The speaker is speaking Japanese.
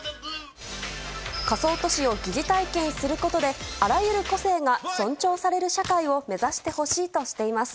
仮想都市を疑似体験することであらゆる個性が尊重される社会を目指してほしいとしています。